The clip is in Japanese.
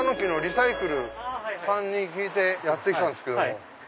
狸サイクルさんに聞いてやって来たんですけども。